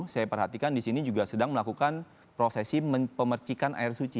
saya perhatikan di sini juga sedang melakukan prosesi pemercikan air suci